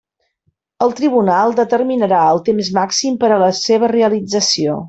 El tribunal determinarà el temps màxim per a la seva realització.